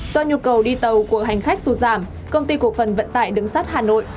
do nhu cầu đi tàu của hành khách sụt giảm công ty cổ phần vận tải đứng sắt hà nội